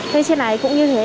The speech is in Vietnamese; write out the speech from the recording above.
thế trên này cũng như thế